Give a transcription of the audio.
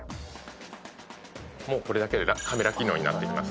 もうこれだけでカメラ機能になっていきます。